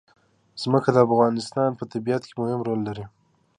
ځمکه د افغانستان په طبیعت کې مهم رول لري.